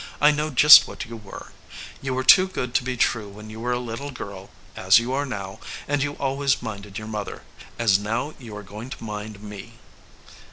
I know just what you were. You were too good to be true when you were a little girl, as you are now ; and you always minded your mother, as now you are going to mind me."